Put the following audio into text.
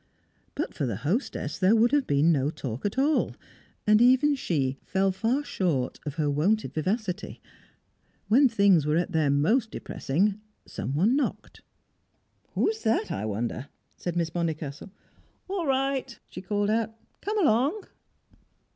But for the hostess, there would have been no talk at all, and even she fell far short of her wonted vivacity When things were at their most depressing, someone knocked. "Who's that, I wonder?" said Miss Bonnicastle. "All right!" she called out. "Come along."